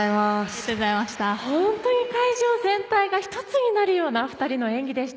会場全体が１つになるようなお二人の演技でした。